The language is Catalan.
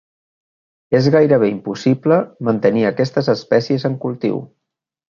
És gairebé impossible mantenir aquestes espècies en cultiu.